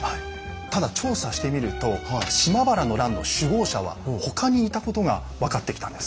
ただ調査してみると島原の乱の首謀者は他にいたことが分かってきたんです。